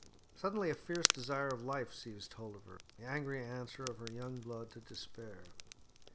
Suddenly a fierce desire of life seized hold of her, the angry answer of her young blood to despair.